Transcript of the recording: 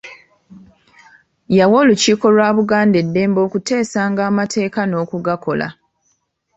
Yawa olukiiko lwa Buganda eddembe okuteesanga amateeka n'okugakola.